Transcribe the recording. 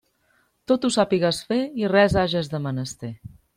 Tot ho sàpies fer i res hages de menester.